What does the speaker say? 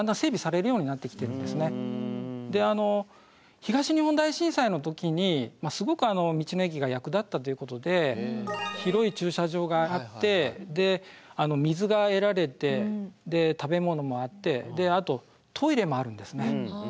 東日本大震災の時にすごく道の駅が役立ったっていうことで広い駐車場があって水が得られて食べ物もあってあとトイレもあるんですね。